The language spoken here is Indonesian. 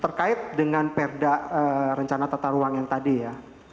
terkait dengan perda rencana tata ruang yang tadi ya